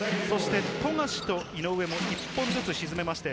富樫と井上も１本ずつ沈めました。